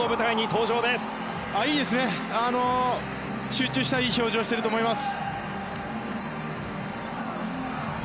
集中した、いい表情をしていると思います。